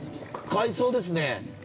◆海草ですね。